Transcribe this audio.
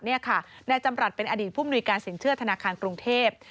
นี่ค่ะนายจำรัฐเป็นอดีตผู้มนุยการสินเชื่อธนาคารกรุงเทพ